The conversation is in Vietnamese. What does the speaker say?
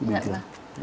hi vọng là